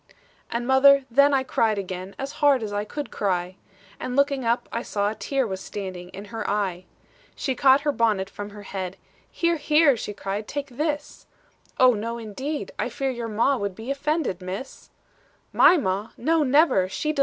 "And, mother, then I cried again As hard as I could cry; And looking up, I saw a tear Was standing in her eye. "She caught her bonnet from her head, 'Here, here,' she cried, 'take this!' 'Oh, no, indeed I fear your ma Would be offended, Miss.' "'My ma!